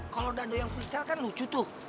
kalau dado yang freestyle kan lucu tuh